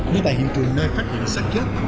nhưng tại hiện trường nơi phát hiện sát chết